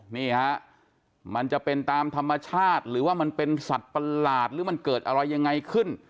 นี่ฮะมันจะเป็นตามธรรมชาติหรือว่ามันเป็นสัตว์ประหลาดหรือมันเกิดอะไรยังไงขึ้น